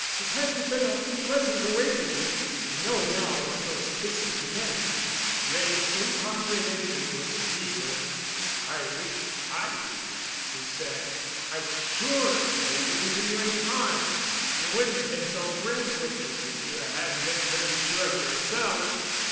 It hasn't been a pleasant awakening. I know now what those kisses meant." Wray's incomprehension was deeper. "I wish I did," he said. "I was sure they wouldn't do you any harm. You wouldn't have been so frank with me if you hadn't been pretty sure of yourself."